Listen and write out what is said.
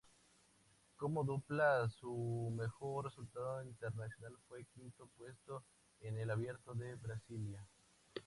Como dupla, su mejor resultado internacional fue quinto puesto en el Abierto de Brasilia.